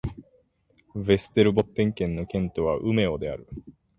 ヴェステルボッテン県の県都はウメオである